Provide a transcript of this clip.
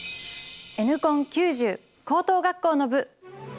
「Ｎコン９０」高等学校の部。